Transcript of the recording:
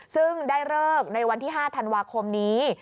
ซึ่งได้เลิกในวันที่๕ธันวาคมนี้